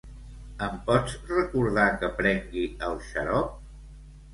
Em pots recordar que prengui el xarop?